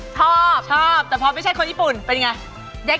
ชอบชอบแต่พอไม่ใช่คนญี่ปุ่นเป็นไง